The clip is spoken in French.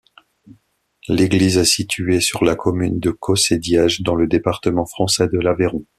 L'église est située sur la commune de Causse-et-Diège, dans le département français de l'Aveyron.